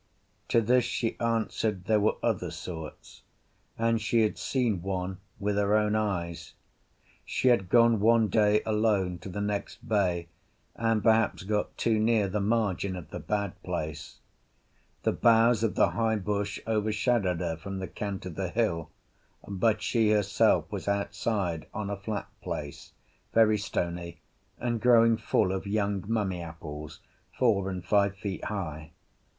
To this she answered there were other sorts, and she had seen one with her own eyes. She had gone one day alone to the next bay, and, perhaps, got too near the margin of the bad place. The boughs of the high bush overshadowed her from the cant of the hill, but she herself was outside on a flat place, very stony and growing full of young mummy apples four and five feet high.